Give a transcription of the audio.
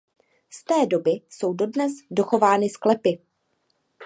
Z té doby jsou dodnes dochovány sklepy.